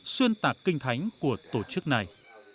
xuyên tạc kinh thánh của tổ chức này